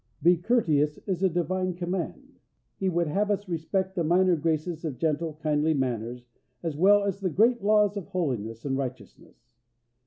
"Be courteous" is a Divine command. He would have us respect the minor graces of gentle, kindly manners, as well as the great laws of holiness and righteousness.